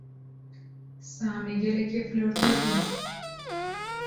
Samî gelekî flortoz bû.